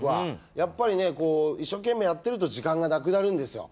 やっぱり一生懸命やってると時間がなくなるんですよ。